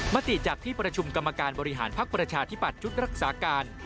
มติจากที่ประชุมกรรมการบริหารพักประชาธิบัติชุดรักษาการ